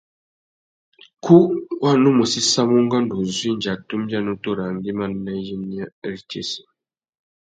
Kú wa nu mù séssamú ungôndô uzu indi a tumbia nutu râā ngüimá nà iyênêritsessi.